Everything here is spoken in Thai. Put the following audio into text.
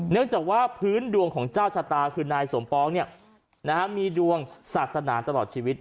เนื่องจากว่าพื้นดวงของเจ้าชะตาคือนายสมปองมีดวงศาสนาตลอดชีวิต